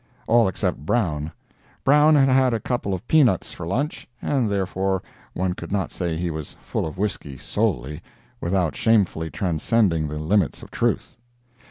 All except Brown. Brown had had a couple of peanuts for lunch, and therefore one could not say he was full of whisky, solely, without shamefully transcending the limits of truth.